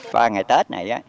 ba ngày tết này